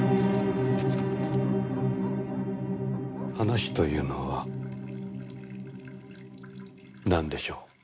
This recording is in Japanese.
話というのはなんでしょう？